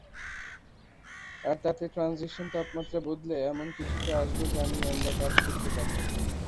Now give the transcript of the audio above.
আর তাতে ট্রানজিশন তাপমাত্রা বদলে এমন কিছুতে আসবে যা নিয়ে আমরা কাজ করতে পারব।